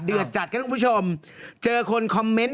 เดี๋ยวบอกก๊อฟให้วันพุธนี้เจอกัน